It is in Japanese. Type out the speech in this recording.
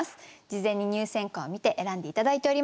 事前に入選歌を見て選んで頂いております。